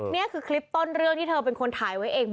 นี่คือคลิปต้นเรื่องที่เธอเป็นคนถ่ายไว้เอง